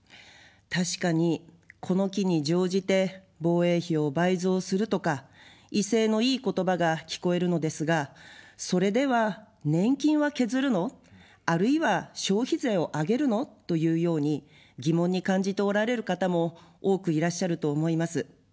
確かに、この機に乗じて防衛費を倍増するとか威勢のいい言葉が聞こえるのですが、それでは年金は削るの、あるいは消費税を上げるの、というように疑問に感じておられる方も多くいらっしゃると思います。